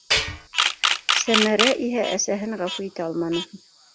Сәмәрә иһә әсәһен ғәфү итә алманы.